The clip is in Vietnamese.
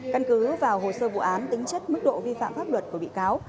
căn cứ vào hồ sơ vụ án tính chất mức độ vi phạm pháp luật của bị cáo